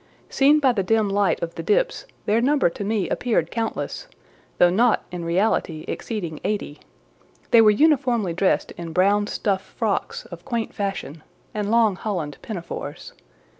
Seen by the dim light of the dips, their number to me appeared countless, though not in reality exceeding eighty; they were uniformly dressed in brown stuff frocks of quaint fashion, and long holland pinafores.